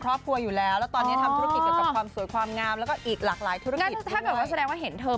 สรุปว่าตอนนี้อาชีพคะฉีกก็คือมีเรื่องรถสองแถวด้วย